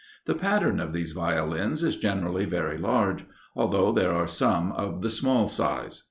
The pattern of these Violins is generally very large; although there are some of the small size.